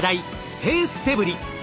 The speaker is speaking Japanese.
スペースデブリ。